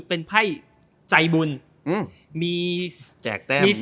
เป็นไพ่ใจบุญมีแจกแต้ม